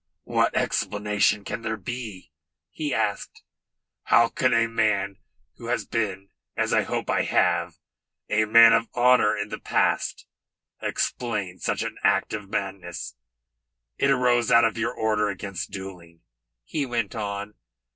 "What explanation can there be?" he asked. "How can a man who has been as I hope I have a man of honour in the past explain such an act of madness? It arose out of your order against duelling," he went on.